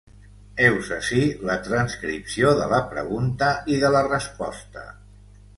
Heus ací la transcripció de la pregunta i de la resposta.